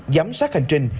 giám sát hành trình